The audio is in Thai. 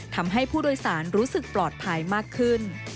ทำให้ผู้โดยสารรู้สึกปลอดภัยมากขึ้น